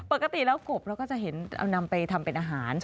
ปกติแล้วกบเราก็จะเห็นเรานำไปทำเป็นอาหาร